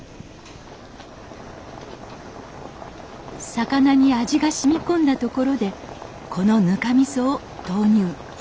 魚に味がしみこんだところでこのぬかみそを投入。